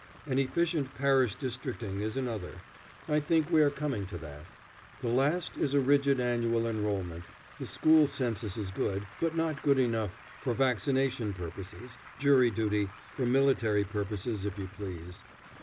An efficient parish districting is another. I think we are coming to that. The last is a rigid annual enrolment the school census is good, but not good enough for vaccination purposes, jury duty, for military purposes if you please.